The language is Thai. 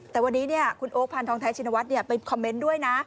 แต่วันนี้คุณโอ๊คพานทองแท้ชินวัฒน์ไปคอมเมนต์ด้วยนะ